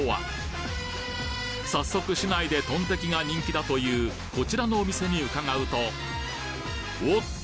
早速市内でとんてきが人気だというこちらのお店に伺うとおっと！